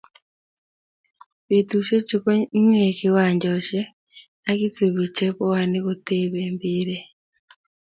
Betushe chu ko nyee kiwanjoshe ak isubii che bwanii kotoben mpiret.